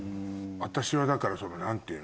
私はだから何ていうの？